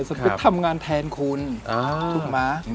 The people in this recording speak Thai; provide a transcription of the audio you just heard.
ฉันไปทำงานแทนคุณถูกมั้ย